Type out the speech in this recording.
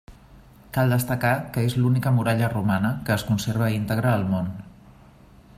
Cal destacar que és l'única muralla romana que es conserva íntegra al món.